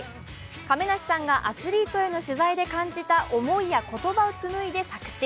亀梨さんがアスリートへの取材で感じた思いや言葉をつむいで作詞。